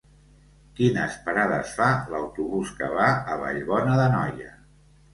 Quines parades fa l'autobús que va a Vallbona d'Anoia?